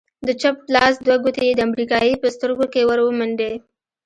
د چپ لاس دوې گوتې يې د امريکايي په سترگو کښې ورومنډې.